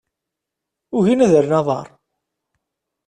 Ugin ad rren aḍar.